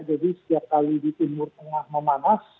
jadi setiap kali di timur tengah memanas